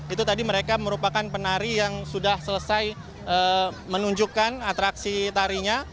itu tadi mereka merupakan penari yang sudah selesai menunjukkan atraksi tarinya